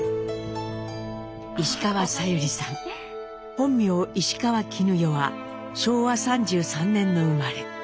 本名石川絹代は昭和３３年の生まれ。